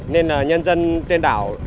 nên là nhân dân trên đảo